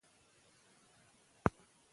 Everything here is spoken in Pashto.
که ښځې پرېکړه کې ونډه ولري، تېروتنې نه تکرارېږي.